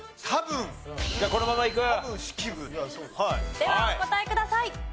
ではお答えください。